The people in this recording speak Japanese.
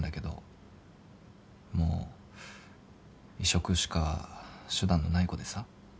もう移植しか手段のない子でさ。